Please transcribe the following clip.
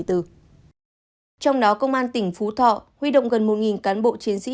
trong đó công an tỉnh phú thọ huy động gần một cán bộ chiến sĩ